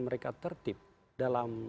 mereka tertib dalam